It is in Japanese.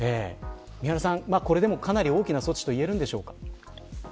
三原さん、これでもかなり大きな措置と言えるんでしょうか。